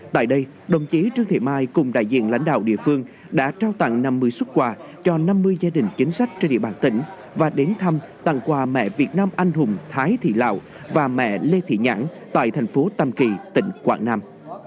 tại đây đồng chí trương thị mai cùng đại diện lãnh đạo địa phương đã trao tặng năm mươi xuất quà cho năm mươi gia đình chính sách trên địa bàn tỉnh và đến thăm tặng quà mẹ việt nam anh hùng thái thị lão và mẹ lê thị nhãn tại thành phố tam kỳ tỉnh quảng nam